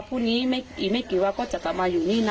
ตอนนี้ไม่กรีว่าก็จะตามมาอยู่นี่นะ